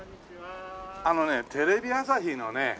あのねテレビ朝日のね